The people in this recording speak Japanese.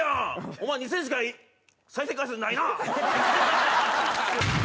お前２０００しか再生回数ないな！